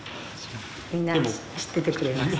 みんな知っててくれます。